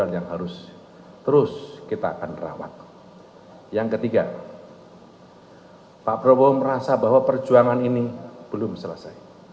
yang ketiga pak prabowo merasa bahwa perjuangan ini belum selesai